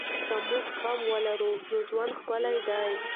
که موږ زغم ولرو نو ژوند ښکلی دی.